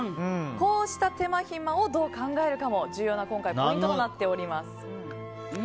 こうした手間暇をどう考えるかも今回は重要なポイントとなっています。